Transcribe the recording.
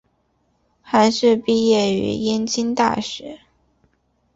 韩叙毕业于燕京大学。